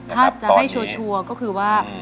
ถ้าจะให้ชัวร์ก็คือว่า